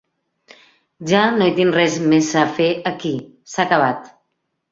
Ja no hi tinc res més a fer aquí; s'ha acabat.